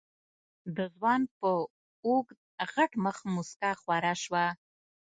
د ځوان په اوږد غټ مخ موسکا خوره شوه.